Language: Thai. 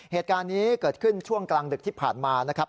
เหตุการณ์นี้เกิดขึ้นช่วงกลางดึกที่ผ่านมานะครับ